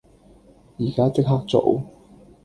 依家即刻做